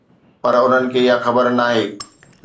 پر انهن کي اها خبر ناهي.